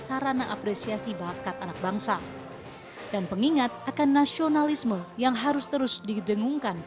sarana apresiasi bakat anak bangsa dan pengingat akan nasionalisme yang harus terus didengungkan